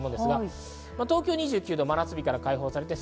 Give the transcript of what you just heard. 東京は２９度、真夏日から解放されます。